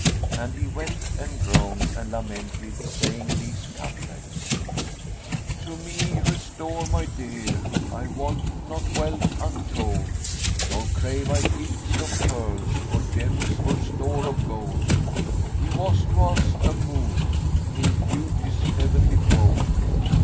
And he wept and groaned and lamented, saying these couplets, "To me restore my dear; * I want not wealth untold: Nor crave I gifts of pearls * Or gems or store of gold: He was to us a moon * In beauty's heavenly fold.